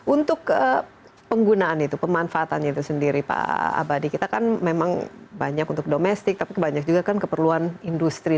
untuk penggunaan itu pemanfaatannya itu sendiri pak abadi kita kan memang banyak untuk domestik tapi banyak juga kan keperluan industri